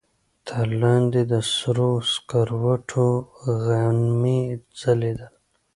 تر لاندې د سرو سکروټو غمي ځلېدل.